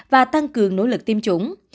và tăng cường nỗ lực tiêm chủng